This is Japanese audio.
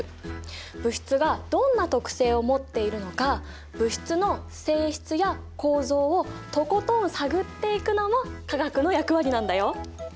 物質がどんな特性を持っているのか物質の性質や構造をとことん探っていくのも化学の役割なんだよ。